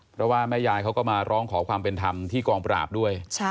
เพราะว่าแม่ยายเขาก็มาร้องขอความเป็นธรรมที่กองปราบด้วย